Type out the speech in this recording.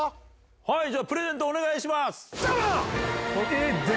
はい、じゃあプレゼントお願いします。